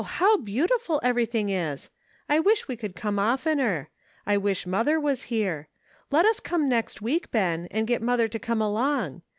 how beautiful every thing is. I wish we could come oftener. I wish mother was here. Let us come next week, Ben, and get mother to come along.